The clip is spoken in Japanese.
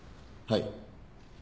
はい。